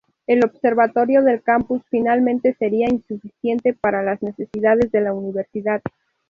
El observatorio del campus finalmente sería insuficiente para las necesidades de la universidad.